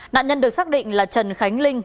nạn nhân được xác định là trần khánh linh